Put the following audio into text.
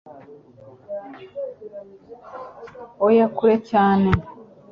Oya kure cyane